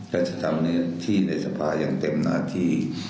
และจะทำในที่ในสภาอย่างเต็มหน้าที่